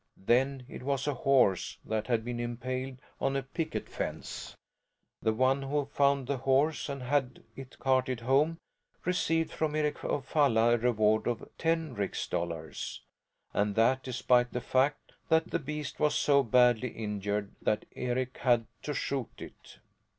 Then it was a horse that had been impaled on a picket fence. The one who found the horse and had it carted home received from Eric of Falla a reward of ten rix dollars; And that despite the fact that the beast was so badly injured that Eric had to shoot it.